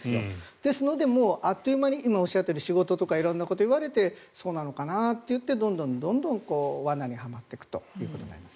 ですので、あっという間に今おっしゃったように仕事とか色んなことを言われてそうなのかなといってどんどん罠にはまっていくということになります。